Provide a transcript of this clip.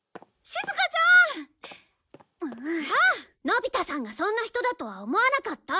のび太さんがそんな人だとは思わなかった！